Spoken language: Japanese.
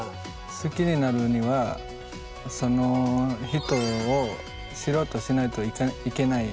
好きになるにはその人を知ろうとしないといけない。